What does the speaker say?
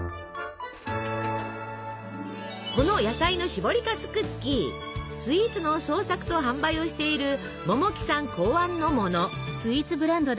この野菜のしぼりかすクッキースイーツの創作と販売をしている百木さん考案のもの。